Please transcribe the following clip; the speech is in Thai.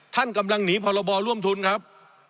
ท่านกำลังหนีพรบร่วมทุนครับ